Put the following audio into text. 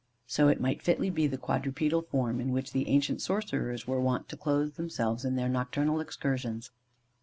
So it might fitly be the quadrupedal form in which the ancient sorcerers were wont to clothe themselves on their nocturnal excursions."